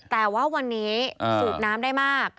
แต่ว่าวันนี้สูบน้ำได้มาก